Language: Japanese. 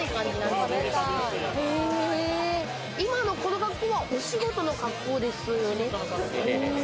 今のこの格好は、お仕事の恰好ですよね？